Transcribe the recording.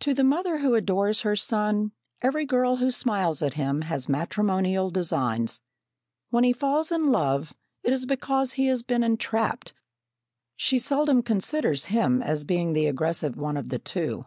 To the mother who adores her son, every girl who smiles at him has matrimonial designs. When he falls in love, it is because he has been entrapped she seldom considers him as being the aggressive one of the two.